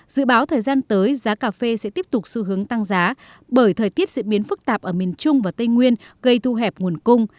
dự báo thời gian tới giá cà phê sẽ tiếp tục xu hướng tăng giá bởi thời tiết diễn biến phức tạp ở miền trung và tây nguyên gây thu hẹp nguồn cung